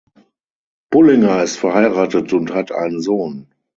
Bullinger ist verheiratet und hat einen Sohn.